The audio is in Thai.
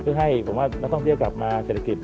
เพื่อให้ผมว่าต้องเรียกกลับมาเศรษฐกิจ